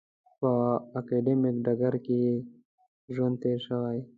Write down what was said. په اکاډمیک ډګر کې یې ژوند تېر شوی.